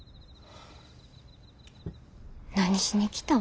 何しに来たん？